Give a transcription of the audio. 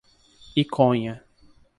Iconha